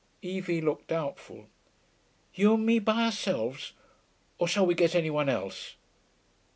Evie looked doubtful. 'You and me by ourselves? Or shall we get any one else?'